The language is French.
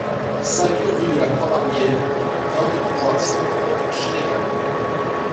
cinq rue de la Croix Marlière, vingt-trois, cent trente, Chénérailles